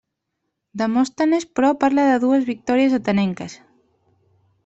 Demòstenes però parla de dues victòries atenenques.